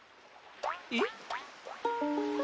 えっ？